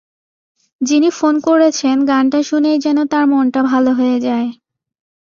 যিনি ফোন করেছেন, গানটা শুনেই যেন তাঁর মনটা ভালো হয়ে যায়।